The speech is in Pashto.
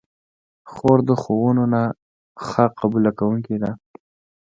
خور د ښوونو ښه قبوله کوونکې ده.